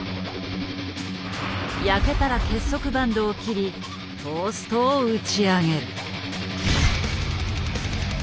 焼けたら結束バンドを切りトーストを打ち上げる。